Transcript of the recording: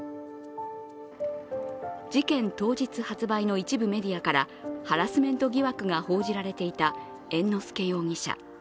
事件当日発売の一部メディアからハラスメント疑惑が報じられていた猿之助容疑者。